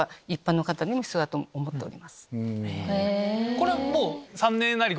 これはもう。